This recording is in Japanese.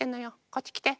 こっちきて。